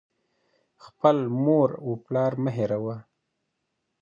• خپل مور و پلار مه هېروه.